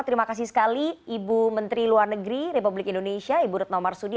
terima kasih sekali ibu menteri luar negeri republik indonesia ibu retno marsudi